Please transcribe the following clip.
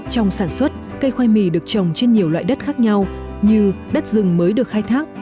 trong sản xuất cây khoai mì được trồng trên nhiều loại đất khác nhau như đất rừng mới được khai thác